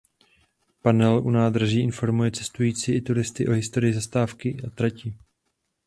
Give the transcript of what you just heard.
Panel u nádraží informuje cestující i turisty o historii zastávky a trati.